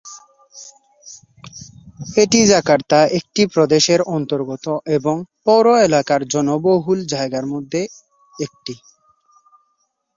এটি জাকার্তা একটি প্রদেশের অন্তর্গত এবং পৌর এলাকার জনবহুল জায়গার মধ্যে একটি।